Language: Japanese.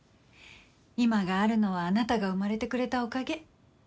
今があるのはあなたが生まれてくれたおかげ。